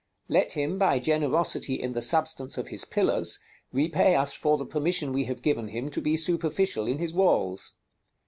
Let him, by generosity in the substance of his pillars, repay us for the permission we have given him to be superficial in his walls.